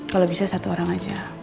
kalau bisa satu orang aja